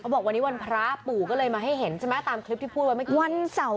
บอกวันนี้วันพระปู่ก็เลยมาให้เห็นใช่ไหมตามคลิปที่พูดว่าไม่ค่อย